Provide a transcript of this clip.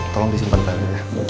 tolong disimpan tadi